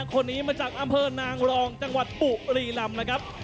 คนนี้มาจากอำเภอนางรองจังหวัดบุรีลำนะครับ